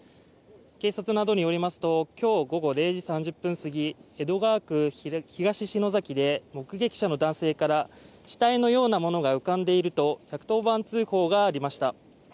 警察などによりますと今日午後０時３０分すぎ江戸川区東篠崎で目撃者の男性から死体のようなものが浮かんでいると１１０番通報がありました。